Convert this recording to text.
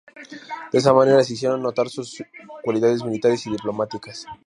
De esa manera se hicieron notar sus cualidades militares y diplomáticas.